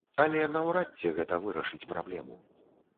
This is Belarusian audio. Але наўрад ці гэта вырашыць праблему.